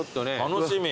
楽しみ。